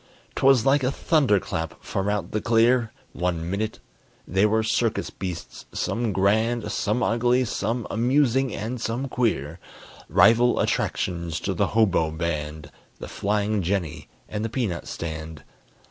'Twas like a thunder clap from out the clear One minute they were circus beasts, some grand, Some ugly, some amusing, and some queer: Rival attractions to the hobo band, The flying jenny, and the peanut stand.